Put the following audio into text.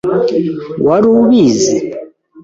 Wari ubizi?